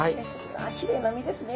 きれいなみですね。